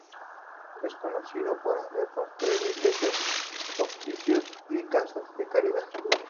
Es conocido por haber construido iglesias, hospicios y casas de caridad.